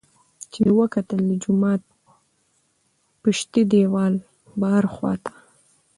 چې مې وکتل د جومات پشتۍ دېوال بهر خوا ته